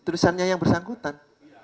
tulisannya yang bersangkutan